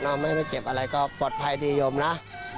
ไม่ให้ไปเก็บอะไรก็ปลอดภัยดีโยมนะ